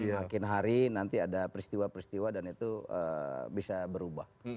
semakin hari nanti ada peristiwa peristiwa dan itu bisa berubah